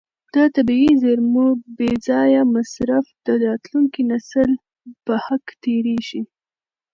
د طبیعي زیرمو بې ځایه مصرف د راتلونکي نسل په حق تېری دی.